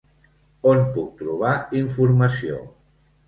On puc trobar informació?